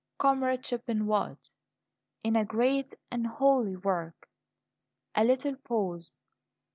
"Comradeship in what?" "In a great and holy work." A little pause.